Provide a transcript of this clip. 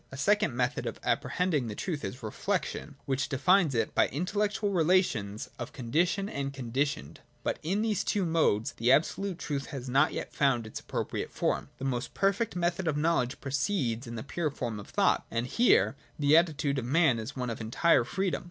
A second method of apprehending the truth is Reflection, which defines it by intellectual relations of condition and conditioned. But in these two modes the absolute truth has not yet found its appropriate form. The most perfect method of knowledge proceeds in the pure form of thought : and here the attitude of man is one of entire freedom.